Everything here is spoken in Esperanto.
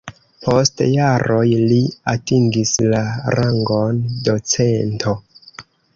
Post jaroj li atingis la rangon docento.